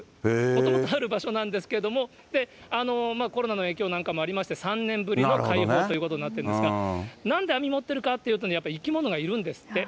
もともとある場所なんですけれども、コロナの影響なんかもありまして、３年ぶりの開放ということになってるんですが、なんで網持ってるかというと、生き物がいるんですって。